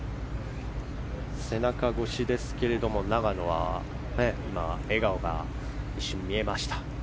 背中越しですけれども永野は笑顔が一瞬見えました。